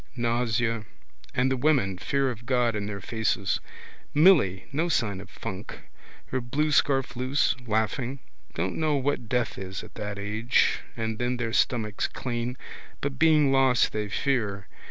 Nausea. And the women, fear of God in their faces. Milly, no sign of funk. Her blue scarf loose, laughing. Don't know what death is at that age. And then their stomachs clean. But being lost they fear.